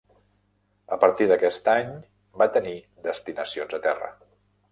A partir d'aquest any va tenir destinacions a terra.